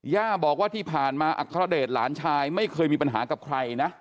ย่าบอกว่าที่ผ่านมาอัครเดชหลานชายไม่เคยมีปัญหากับใครนะ